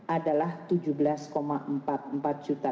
adalah tujuh belas empat puluh empat juta